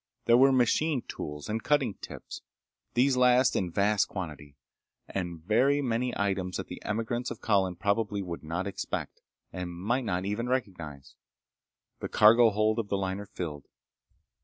There were machine tools and cutting tips—these last in vast quantity—and very many items that the emigrants of Colin probably would not expect, and might not even recognize. The cargo holds of the liner filled.